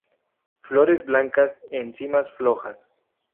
Flores blancas en cimas flojas.